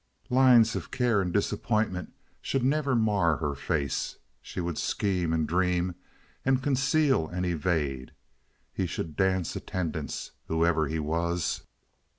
Lines of care and disappointment should never mar her face. She would scheme and dream and conceal and evade. He should dance attendance, whoever he was.